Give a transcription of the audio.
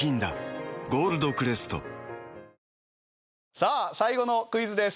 さあ最後のクイズです。